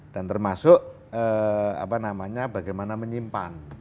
dan termasuk apa namanya bagaimana menyimpan